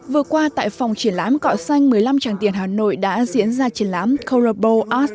vừa qua tại phòng triển lãm cọ xanh một mươi năm tràng tiền hà nội đã diễn ra triển lãm corabo arts